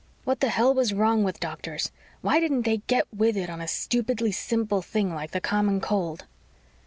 _What the hell was wrong with doctors? Why didn't they get with it on a stupidly simple thing like the common cold?